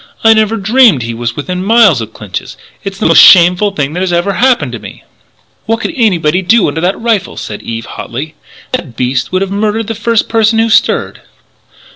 I never dreamed he was within miles of Clinch's! It's the most shameful thing that ever happened to me " "What could anybody do under that rifle?" said Eve hotly. "That beast would have murdered the first person who stirred!"